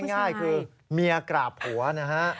ง่ายคือเมียกราบหัวนะฮะ